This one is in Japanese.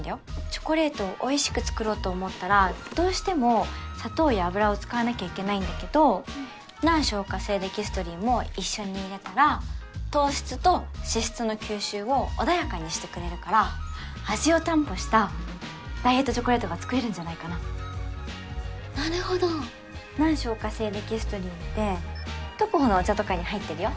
チョコレートをおいしく作ろうと思ったらどうしても砂糖や油を使わなきゃいけないんだけど難消化性デキストリンも一緒に入れたら糖質と脂質の吸収をおだやかにしてくれるから味を担保したダイエットチョコレートが作れるんじゃないかななるほど難消化性デキストリンってトクホのお茶とかに入ってるよ